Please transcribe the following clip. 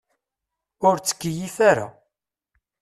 Ur ttkeyyif ara.